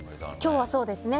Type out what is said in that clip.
今日はそうですね。